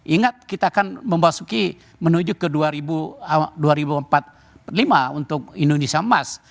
ingat kita akan memasuki menuju ke dua ribu empat puluh lima untuk indonesia emas